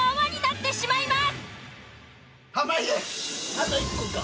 あと１個か。